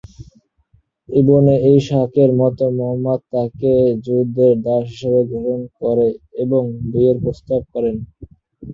ইবনে ইসহাকের মতে, মুহাম্মদ তাকে যুদ্ধের দাস হিসেবে গ্রহণ করেন এবং বিয়ের প্রস্তাব করেন।